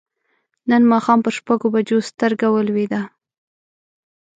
نن ماښام پر شپږو بجو سترګه ولوېده.